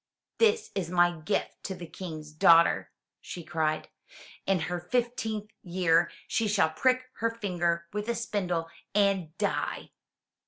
"This is my gift to the King's daughter, she cried. "In her fifteenth year she shall prick her finger with a spindle and die